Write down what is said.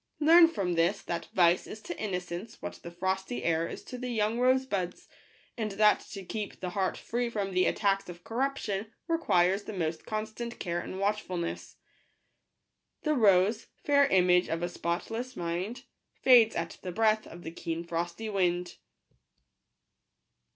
Learn from this that vice is to innocence what the frosty air is to the young rose buds ; and that to keep the heart free from the attacks of corruption requires the most constant care and watch fulness." The rose— fair image of a spotless mind — Fades at the breath of the keen frosty wind.